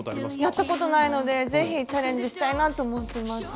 やったことないので是非チャレンジしたいなと思ってます。